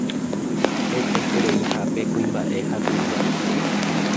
hetaitereihápe kuimba'e ha kuña